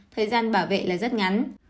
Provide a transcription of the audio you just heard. thời gian bảo vệ là rất ngắn